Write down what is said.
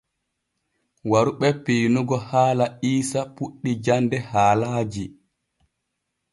Waru ɓe piinugo haala Iisa puɗɗi jande haalaaji.